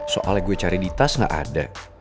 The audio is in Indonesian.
soalnya gue cari di tas gak ada